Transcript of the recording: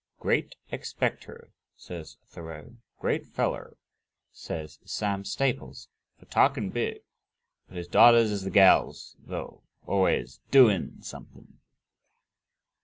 "Great expecter," says Thoreau; "great feller," says Sam Staples, "for talkin' big ... but his daughters is the gals though always DOIN' somethin'."